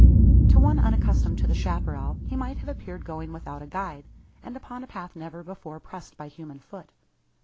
To one unaccustomed to the chapparal, he might have appeared going without a guide, and upon a path never before pressed by human foot.